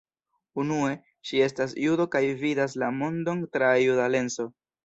Unue, ŝi estas judo kaj vidas la mondon tra juda lenso.